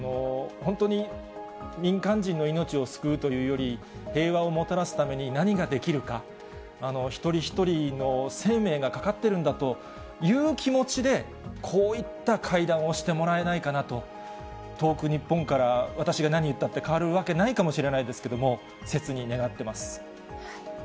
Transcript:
本当に民間人の命を救うというより、平和をもたらすために何ができるか、一人一人の生命がかかっているんだという気持ちで、こういった会談をしてもらえないかなと、遠く日本から、私が何言ったって変わるわけないかもしれないですけれども、せつに願ってます。